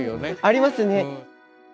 ありますね。